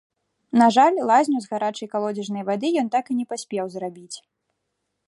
На жаль, лазню з гарачай калодзежнай вады ён так і не паспеў зрабіць.